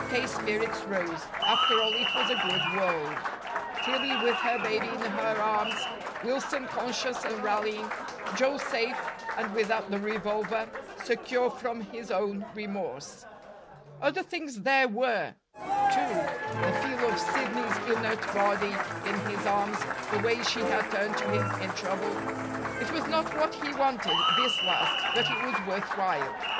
's spirits rose. After all, it was a good world: Tillie with her baby in her arms; Wilson conscious and rallying; Joe safe, and, without the revolver, secure from his own remorse. Other things there were, too the feel of Sidney's inert body in his arms, the way she had turned to him in trouble. It was not what he wanted, this last, but it was worth while.